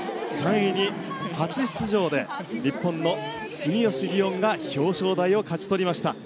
３位に初出場で日本の住吉りをんが表彰台を勝ち取りました。